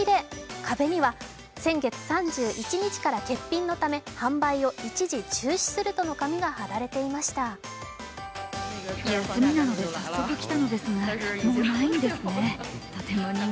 壁には先月３１日から欠品のため販売を一時、中止するとの紙が貼られていました。